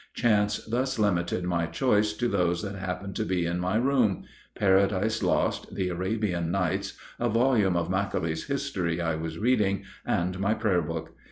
Chance thus limited my choice to those that happened to be in my room "Paradise Lost," the "Arabian Nights," a volume of Macaulay's History I was reading, and my prayer book.